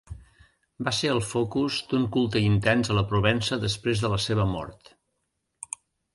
Va ser el focus d'un culte intens a la Provença després de la seva mort.